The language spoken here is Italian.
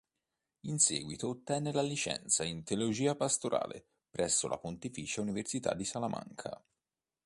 In seguito ottenne la licenza in teologia pastorale presso la Pontificia Università di Salamanca.